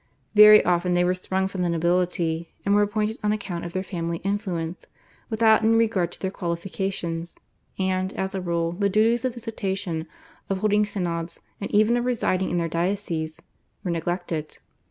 Very often they were sprung from the nobility, and were appointed on account of their family influence without any regard to their qualifications, and, as a rule, the duties of visitation, of holding synods, and even of residing in their dioceses, were neglected.